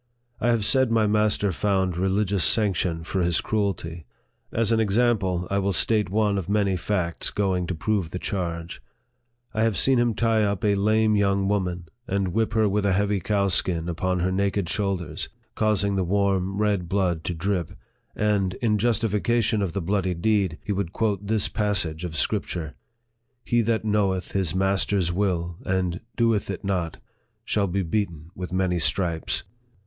I have said my master found religious sanction for his cruelty. As an example, I will state one of many facts going to prove the charge. I have seen him tie up a lame young woman, and whip her with a heavy cowskin upon her naked shoulders, causing the warm red blood to drip ; and, in justification of the bloody deed, he would quote this passage of Scripture " He that knoweth his* master's will, and doeth it not, shall be beaten with many stripes."